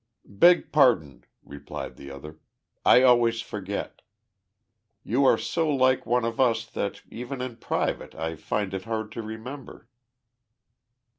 "Beg pardon," replied the other. "I always forget. You are so like one of us that, even in private, I find it hard to remember."